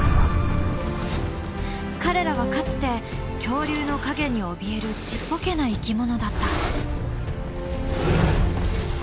彼らはかつて恐竜の影におびえるちっぽけな生き物だった。